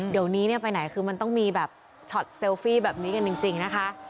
เดี๋ยวนี้เนี่ยไปไหนคือมันต้องมีแบบช็อตเซลฟี่แบบนี้กันจริงนะคะ